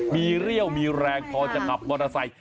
มีเรี่ยวมีแรงพอจะกลับบัตรไซส์